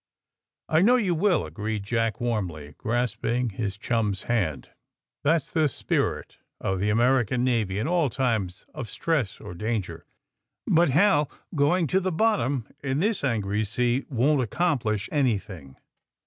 *^I know you mil," agreed Jack warmly, grasping his chum's hand ^'That's the spirit of the American Navy in all times of stress or danger. But, Hal, going to the bottom in this angry sea won't accomplish anything.